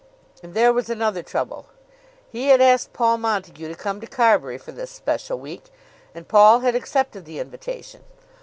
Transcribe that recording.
And there was another trouble. He had asked Paul Montague to come to Carbury for this special week, and Paul had accepted the invitation.